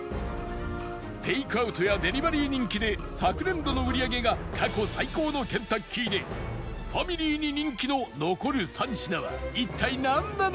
テイクアウトやデリバリー人気で昨年度の売り上げが過去最高のケンタッキーでファミリーに人気の残る３品は一体なんなのか？